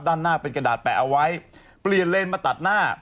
ด้านหน้าเป็นกระดาษแปะเอาไว้เปลี่ยนเลนมาตัดหน้า